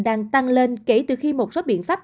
đang tăng lên kể từ khi một số biện pháp